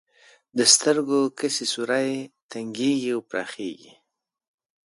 د سترګو کسي سوری تنګیږي او پراخیږي.